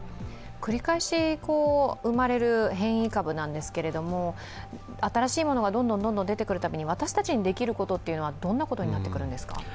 繰り返し生まれる変異株なんですけれども、新しいものがどんどん出てくるたびに、私たちにできることはどんなことになってくるんですか？